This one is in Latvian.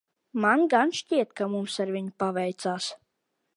Man gan šķiet, ka mums ar viņu paveicās.